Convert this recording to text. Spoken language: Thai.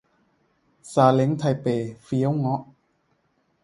ซาเล้งไทเป เฟี๊ยวเงาะ